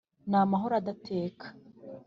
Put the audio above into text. ni amahoro adateka